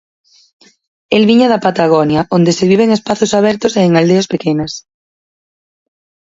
El viña da Patagonia, onde se vive en espazos abertos e en aldeas pequenas.